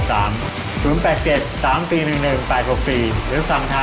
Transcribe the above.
หรือสั่งทางไลน์แมนกับลูกวิทูธได้ครับ